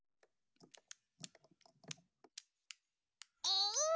うん！